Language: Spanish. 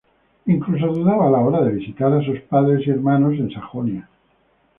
Incluso dudaba a la hora de visitar a sus padres y hermanos en Sajonia.